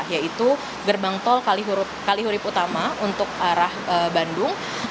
yaitu gerbang tol kalihurip utama untuk arah bandung